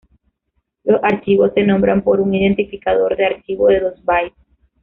Los archivos se nombran por un identificador de archivo de dos bytes.